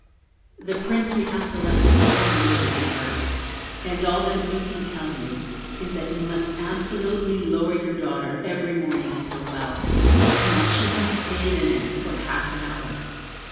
The Prince we have selected is one worthy of her; and all we can tell you is, that you must absolutely lower your daughter every morning into the well, and that she must bathe in it for half an hour.